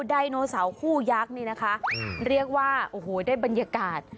ไดโนเสาร์คู่ยักษ์นี่นะคะเรียกว่าโอ้โหได้บรรยากาศ